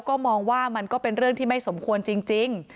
ก็มองว่ามันก็เป็นเรื่องที่ไม่สมควรจริง